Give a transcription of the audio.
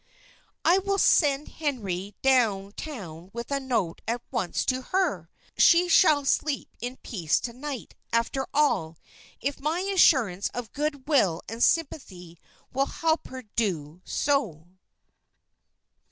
"I will send Henry down town with a note at once to her. She shall sleep in peace to night, after all, if my assurance of good will and sympathy will help her to do so."